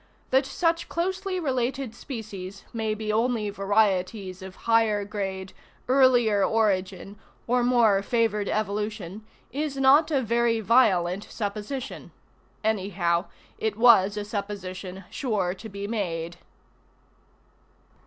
That such closely related species may be only varieties of higher grade, earlier origin, or more favored evolution, is not a very violent supposition. Anyhow, it was a supposition sure to be made.